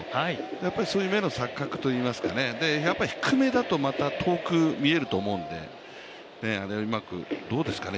やっぱりそういう目の錯覚というか、低めだと遠く見えると思うのでうまくどうですかね